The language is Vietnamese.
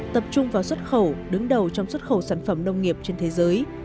tập trung vào xuất khẩu đứng đầu trong xuất khẩu sản phẩm nông nghiệp trên thế giới